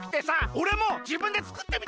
おれもじぶんでつくってみたの！